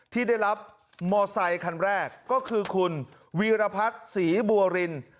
ที่ได้รับมอไซคันแรกก็คือคุณวีรพัฒน์ศรีบัวริน